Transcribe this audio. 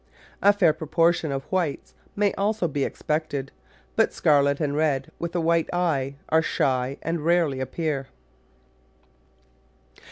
A fair proportion of white may also be expected, but scarlet and red with a white eye are shy and rarely appear.